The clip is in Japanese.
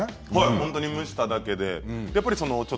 本当に蒸しただけで。